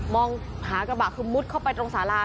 มองหากระบะคือมุดเข้าไปตรงสารา